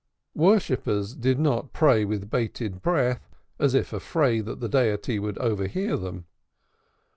Worshippers did not pray with bated breath, as if afraid that the deity would overhear them.